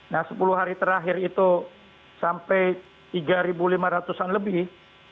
nah sepuluh hari terakhir itu sampai tiga lima ratus an lebih